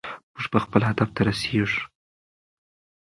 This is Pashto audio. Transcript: موږ به خپل هدف ته رسېږو.